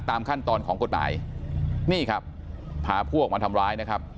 ตามขั้นตอนของกฎหมายนี่ครับพาพวกมาทำร้ายนะครับ